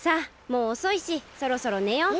もうおそいしそろそろねよう。